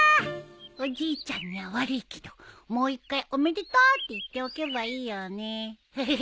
おじいちゃんには悪いけどもう一回おめでとうって言っておけばいいよねヘヘッ。